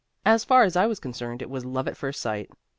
As far as I was concerned it was love at first sight.